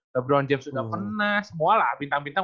lebron james udah pernah semua lah bintang bintang